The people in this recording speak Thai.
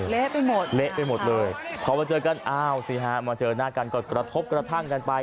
เละไปหมดเละไปหมดเลยพอมาเจอกันอ้าวสิฮะมาเจอหน้ากันก็กระทบกระทั่งกันไป